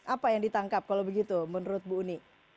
apa yang ditangkap kalau begitu menurut bu uni